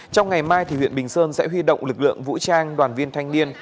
trong ngày mai huyện bình sơn sẽ huy động lực lượng vũ trang đoàn viên thanh niên